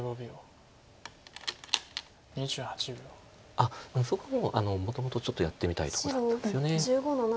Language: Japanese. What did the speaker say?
あっそこにももともとちょっとやってみたいとこだったんですよね。